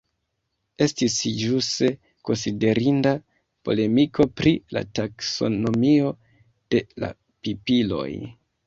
Estis ĵuse konsiderinda polemiko pri la taksonomio de la pipiloj.